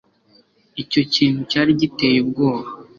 icyo kintu cyari giteye ubwoba